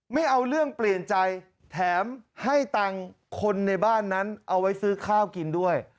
ไม่เอาเรื่องเปลี่ยนใจแถมให้ตังค์คนในบ้านนั้นเอาไว้ซื้อข้าวกินด้วย